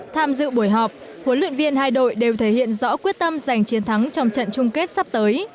tham dự buổi họp huấn luyện viên hai đội đều thể hiện rõ quyết tâm giành chiến thắng trong trận chung kết sắp tới